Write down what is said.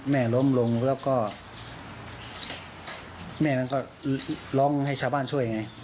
ล้มลงแล้วก็แม่มันก็ร้องให้ชาวบ้านช่วยไง